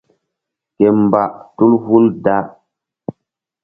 Ke mba tul hul da.